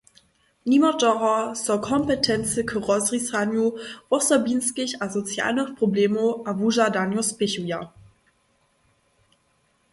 Nimo toho so kompetency k rozrisanju wosobinskich a socialnych problemow a wužadanjow spěchuja.